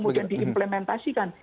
dan bagaimana kemudian diimplementasikan